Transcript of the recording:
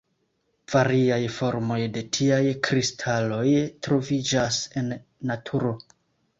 Variaj formoj de tiaj kristaloj troviĝas en naturo.